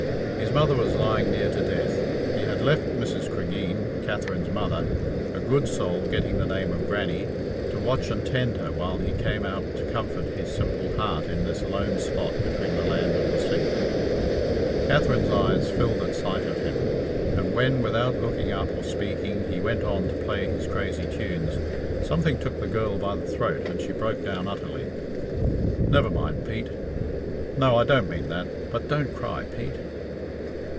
His mother was lying near to death. He had left Mrs. Cregeen, Kath erine's mother, a good soul getting the name of Grannie, to watch and tend her while he came out to comfort his simple heart in this lone spot between the land and the sea. Katherine's eyes filled at sight of him, and when, without looking up or speaking, he went on to play his crazy tunes, something took the girl by the throat and she broke down utterly. "Never mind, Pete. No I don't mean that but don't cry, Pete."